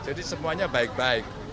jadi semuanya baik baik